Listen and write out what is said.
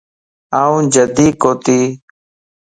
آن جڍي ڪوتي